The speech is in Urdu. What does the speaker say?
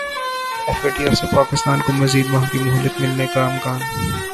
ایف اے ٹی ایف سے پاکستان کو مزید ماہ کی مہلت ملنے کا امکان